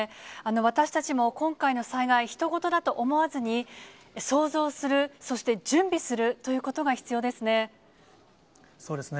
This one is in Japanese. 私たちも今回の災害、ひと事だと思わずに、想像する、そして、準備するということが必要ですね。